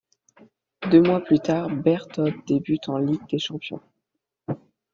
Deux mois plus tard, Berthod débute en Ligue des champions.